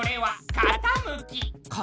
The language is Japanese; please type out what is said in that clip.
かたむき？